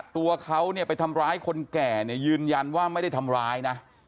ตัวเขาเนี่ยไปทำร้ายคนแก่เนี่ยยืนยันว่าไม่ได้ทำร้ายนะ